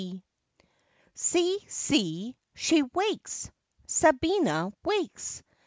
See, see, she wakes! Sabina wakes!